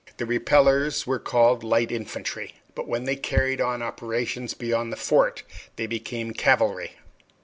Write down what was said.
The repellers were called light infantry; but when they carried on operations beyond the fort they became cavalry.